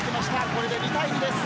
これで２対２です。